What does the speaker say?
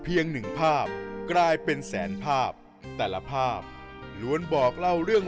หนึ่งภาพกลายเป็นแสนภาพแต่ละภาพล้วนบอกเล่าเรื่อง